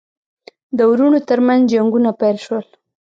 د وروڼو ترمنځ جنګونه پیل شول.